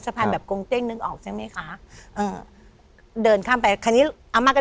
สะพานแบบกรงเต็กนึงออกใช่ไหมคะ